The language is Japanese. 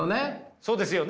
そうですよね。